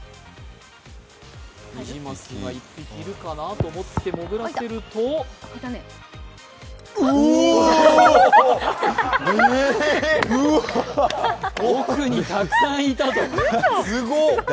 ニジマスがいるかなと思って潜らせると奥にたくさんいたという。